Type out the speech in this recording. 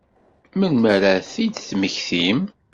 Melmi ara ad t-id-temmektim?